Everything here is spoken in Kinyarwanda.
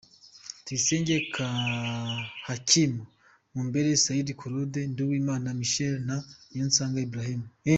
Tuyisenge Hakimu, Mumbele Sayiba korode, Nduwimana Midheli na Niyonsenga Iburahimu.